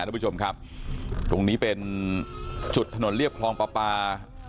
ทุกผู้ชมครับตรงนี้เป็นจุดถนนเรียบคลองปลาปลา